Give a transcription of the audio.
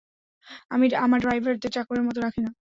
আমি আমার ড্রাইভারদের চাকরের মতো রাখি না।